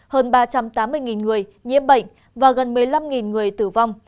hơn ba trăm tám mươi người nhiễm bệnh và gần một mươi năm người tử vong